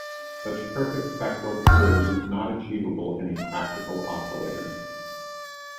Such perfect spectral purity is not achievable in a practical oscillator.